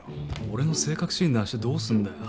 俺の性格診断してどうするんだよ？